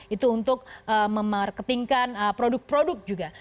itu untuk memarketingkan produk produk juga